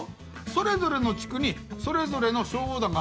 それぞれの地区にそれぞれの消防団があるんやて。